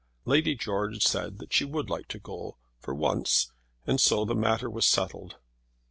Lady George said that she would like to go for once, and so that matter was settled.